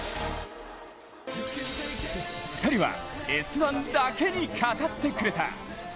２人は「Ｓ☆１」だけに語ってくれた。